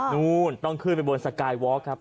นู่นต้องขึ้นไปบนสกายวอล์กครับ